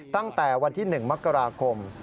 ตั้งแต่วันที่๑มกราคม